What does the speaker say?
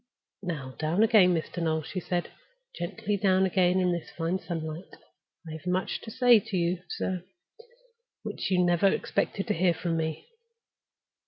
"Now down again, Mr. Noel," she said. "Gently down again, in this fine sunlight. I have much to say to you, sir, which you never expected to hear from me.